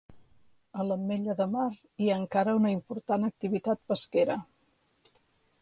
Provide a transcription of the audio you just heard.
A l'Ametlla de mar hi ha encara una important activitat pesquera